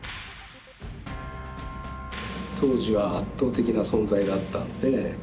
当時は圧倒的な存在だったんで。